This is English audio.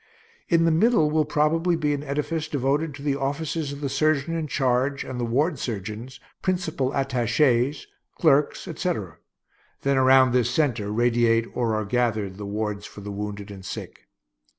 In the middle will probably be an edifice devoted to the offices of the surgeon in charge and the ward surgeons, principal attachés, clerks, etc. Then around this centre radiate or are gathered the wards for the wounded and sick.